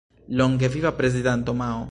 Longe Viva Prezidanto Mao!